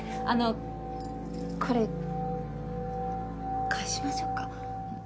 あのこれ返しましょうか？